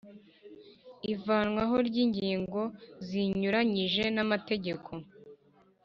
Ivanwaho ry ingingo zinyuranyije n’amategeko